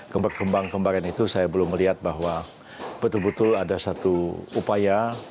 kembang kembang kembangan itu saya belum melihat bahwa betul betul ada satu upaya